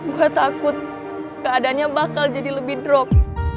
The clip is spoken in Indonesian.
gue takut keadaannya bakal jadi lebih drop